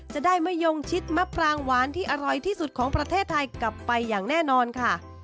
จะได้มะยงชิดมะปรางหวานที่อร่อยที่สุดของประเทศไทยกลับไปอย่างแน่นอนค่ะ